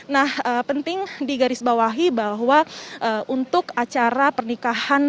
nah penting digarisbawahi bahwa untuk acara pernikahan